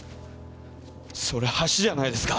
それ橋じゃないですか？